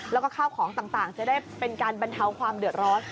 แล้วก็ข้าวของต่างจะได้เป็นการบรรเทาความเดือดร้อน